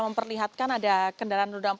memperlihatkan ada kendaraan roda empat